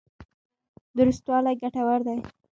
درستوالی ګټور دی.